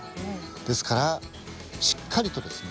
ですからしっかりとですね